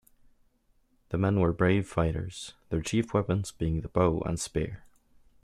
The men were brave fighters, their chief weapons being the bow and spear.